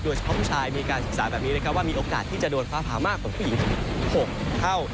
ผู้ชายมีการศึกษาแบบนี้นะครับว่ามีโอกาสที่จะโดนฟ้าผ่ามากกว่าผู้หญิงถึง๖เท่า